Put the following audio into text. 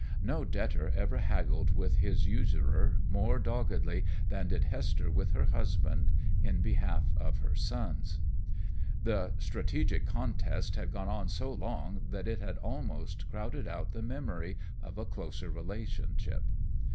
No debtor ever haggled with his usurer more doggedly than did Hester with her husband in behalf of her sons. The strategic contest had gone on so long that it had almost crowded out the memory of a closer relationship.